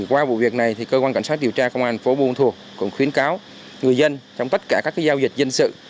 qua vụ việc này cơ quan cảnh sát điều tra công an phố buôn thua cũng khuyến cáo người dân trong tất cả các giao dịch dân sự